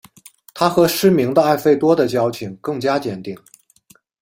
他和失明的艾费多的交情更加坚定。